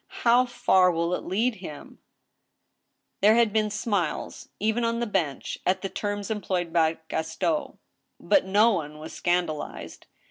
How far will it lead him ?" There had been smiles, even on the bench, at the terms employed by Gaston. But no one was scandalized.